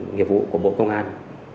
nhiệm vụ của bộ công an